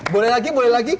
boleh lagi boleh lagi